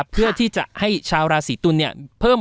เพื่อที่จะให้ชาวราศีตุลเพิ่ม